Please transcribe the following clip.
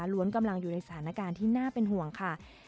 กำลังอยู่ในสถานการณ์ที่น่าเป็นห่วงค่ะ